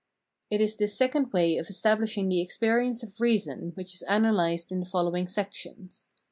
It is this second way of establishing the experience of reason which is analysed in the following sections.